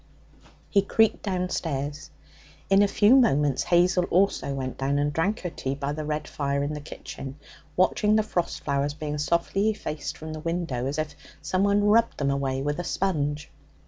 He creaked downstairs. In a few moments Hazel also went down, and drank her tea by the red fire in the kitchen, watching the frost flowers being softly effaced from the window as if someone rubbed them away with a sponge.